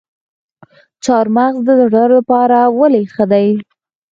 چهارمغز د زړه لپاره ولې ښه دي؟